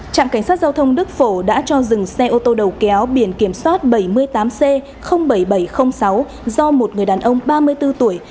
trạm cảnh sát giao thông đức phổ đã cho dừng xe ô tô đầu kéo biển kiểm soát bảy mươi tám c bảy nghìn bảy trăm linh sáu do một người đàn ông ba mươi bốn tuổi